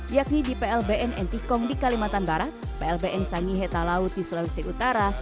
yakni di plbn entikong di kalimantan barat plbn sangi hetta laut di sulawesi utara